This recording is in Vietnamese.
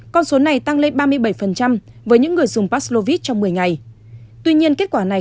con số này tăng lên ba mươi bảy với những người dùng paslovit trong một mươi ngày tuy nhiên kết quả này